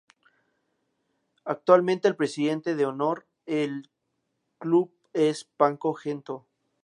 Actualmente el presidente de honor del club es Paco Gento.